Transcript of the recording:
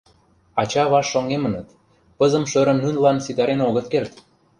Ача-авашт шоҥгемыныт, пызым-шӧрым нунылан ситарен огыт керт.